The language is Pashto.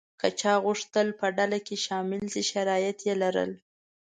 که چا غوښتل په ډله کې شامل شي شرایط یې لرل.